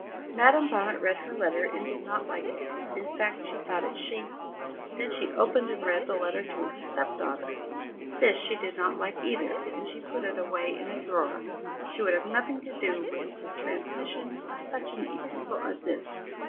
Madam Bonnet read her letter and did not like it. In fact, she thought it shameful. Then she opened and read the letter to her step daughter. This she did not like either, and she put it away in a drawer; she would have nothing to do with the transmission of such an epistle as this.